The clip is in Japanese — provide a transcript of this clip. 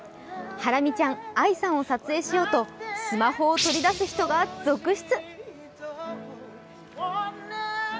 ハラミちゃん、ＡＩさんを撮影しようとスマホを取り出す人が続出。